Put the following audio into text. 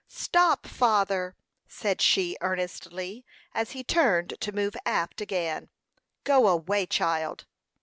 "Stop, father!" said she, earnestly, as he turned to move aft again. "Go away, child."